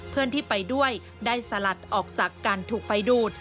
เพื่อนที่ไปด้วยได้สลัดออกจากการถูกไฟดูด